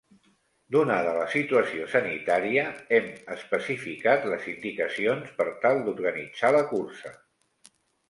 Donada la situació sanitària, hem especificat les indicacions per tal d’organitzar la cursa.